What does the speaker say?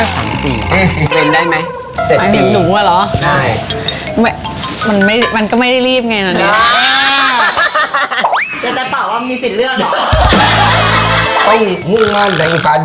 ผมบอกวันเห็นถด๓๔